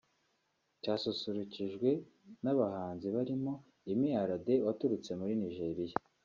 Cyasusurukijwe n’abahanzi barimo Yemi Alade waturutse muri Nigeria